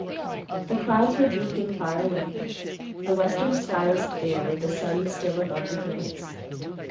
The clouds were drifting far away. The western sky was clear with the sun still above the hills.